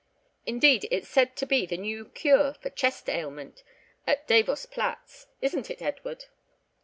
Indeed, it's said to be the new cure for chest ailment at Davos Platz, isn't it, Edward?"